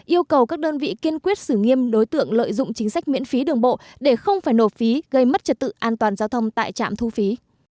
yêu cầu các đơn vị kiên quyết xử nghiêm đối tượng lợi dụng chính sách miễn phí đường bộ để không phải nộp phí gây mất trật tự an toàn giao thông tại trạm thu phí